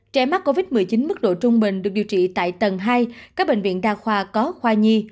trẻ mắc covid một mươi chín mức độ trung bình được điều trị tại tầng hai các bệnh viện đa khoa có khoa nhi